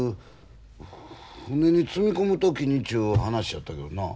船に積み込む時にちゅう話やったけどな。